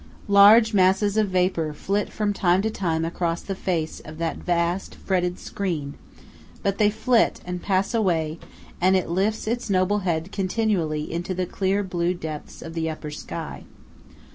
Large masses of vapour flit from time to time across the face of that vast, fretted screen; but they flit, and pass away, and it lifts its noble head continually into the clear blue depths of the upper sky.